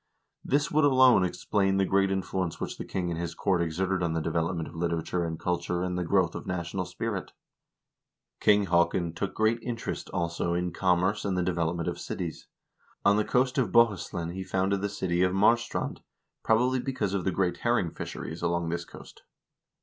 This would alone explain the great influence which the king and his court exerted on the development of literature and culture and the growth of a national spirit. King Haakon took great interest, also, in commerce and the de velopment of cities. On the coast of Bohuslen he founded the city of Marstrand, probably because of the great herring fisheries along this coast.